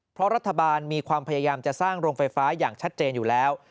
เพราะรัฐบาลมีความพยายามจะสร้างโรงไฟฟ้าอย่างชัดเจนอยู่แล้ว